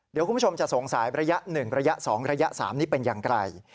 เดี๋ยวคุณผู้ชมจะสงสัยระยะ๑ระยะ๒ระยะ๓นี้เป็นอย่างไร